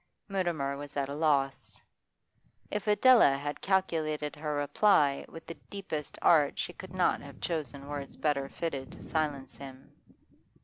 Mutimer was at a loss. If Adela had calculated her reply with the deepest art she could not have chosen words better fitted to silence him.